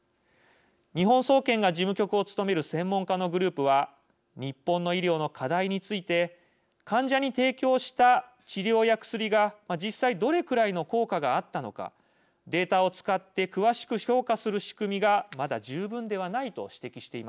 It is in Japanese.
日本総研が事務局を務める専門家のグループは日本の医療の課題について患者に提供した治療や薬が実際どれくらいの効果があったのかデータを使って詳しく評価する仕組みがまだ十分ではないと指摘しています。